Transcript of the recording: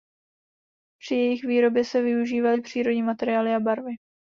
Při jejich výrobě se využívaly přírodní materiály a barvy.